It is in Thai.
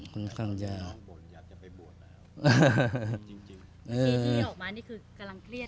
บนอยากจะไปบ่วนนะคะจริง